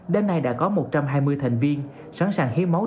đến nay đã có một trăm hai mươi thành viên sẵn sàng hiến máu